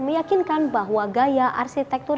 meyakinkan bahwa gaya arsitektur